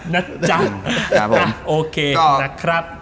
นะจ๊ะโอเคนะครับ